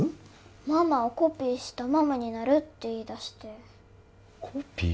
ママをコピーしたママになるって言い出してコピー？